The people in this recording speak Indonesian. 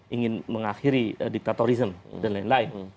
ingin mengakhiri diktatorism dan lain lain